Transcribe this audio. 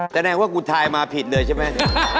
แสดงว่ากูทายมาผิดเลยใช่ไหม